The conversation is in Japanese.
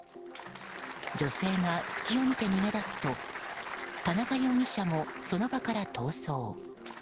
女性が隙を見て逃げ出すと田中容疑者もその場から逃走。